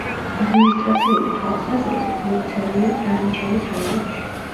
ადმინისტრაციული თვალსაზრისით მოქცეულია ბრანიჩევის რაიონში.